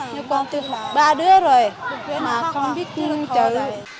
nhưng con tôi là ba đứa rồi mà con biết chữ không chờ đợi